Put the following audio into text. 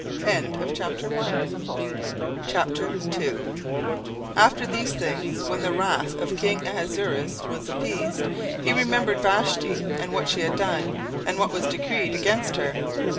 17:002:001 After these things, when the wrath of king Ahasuerus was appeased, he remembered Vashti, and what she had done, and what was decreed against her.